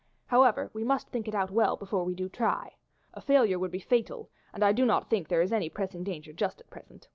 However, we must think it out well before we do try. A failure would be fatal, and I do not think there is any pressing danger just at present.